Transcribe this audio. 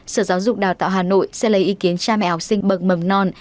sở giáo dục đào tạo hà nội sẽ lấy ý kiến cha mẹ học sinh bậc mầm non